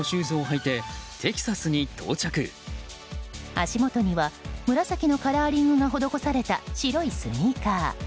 足元には紫のカラーリングが施された白いスニーカー。